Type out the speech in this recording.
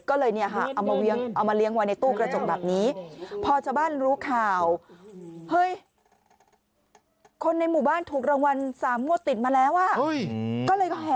ก็เลยเอามาเลี้ยงไว้ในตู้กระดองแบบนี้